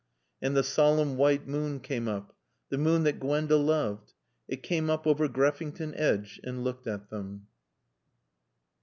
And the solemn white moon came up, the moon that Gwenda loved; it came up over Greffington Edge and looked at them.